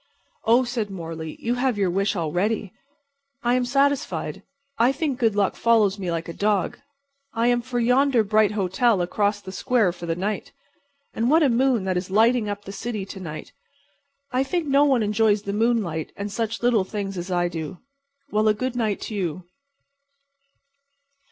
"Oh," said Morley, "you have your wish already. I am satisfied. I think good luck follows me like a dog. I am for yonder bright hotel across the square for the night. And what a moon that is lighting up the city to night. I think no one enjoys the moonlight and such little things as I do. Well, a good night to you."